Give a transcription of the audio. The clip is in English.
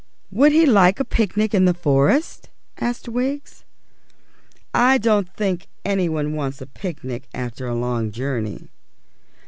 "Would he like a picnic in the forest?" asked Wiggs. "I don't think any one wants a picnic after a long journey."